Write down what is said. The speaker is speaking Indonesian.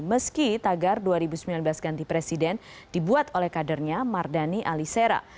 meski tagar dua ribu sembilan belas ganti presiden dibuat oleh kadernya mardani alisera